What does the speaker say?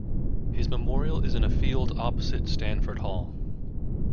His memorial is in a field opposite Stanford Hall.